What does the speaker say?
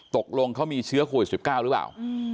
ตกลงเขามีเชื้อโควิด๑๙หรือเปล่า